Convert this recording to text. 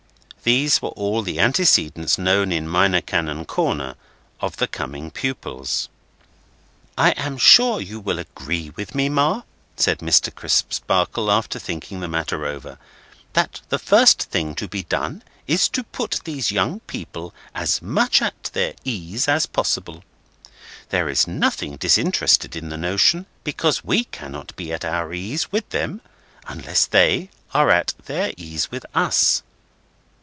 These were all the antecedents known in Minor Canon Corner of the coming pupils. "I am sure you will agree with me, Ma," said Mr. Crisparkle, after thinking the matter over, "that the first thing to be done, is, to put these young people as much at their ease as possible. There is nothing disinterested in the notion, because we cannot be at our ease with them unless they are at their ease with us.